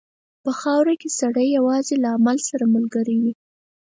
په خاوره کې سړی یوازې له عمل سره ملګری وي.